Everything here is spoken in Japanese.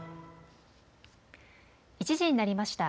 １時になりました。